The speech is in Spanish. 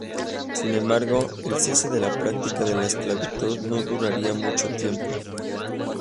Sin embargo, el cese de la práctica de la esclavitud no duraría mucho tiempo.